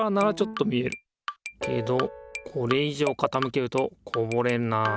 けどこれいじょうかたむけるとこぼれるな。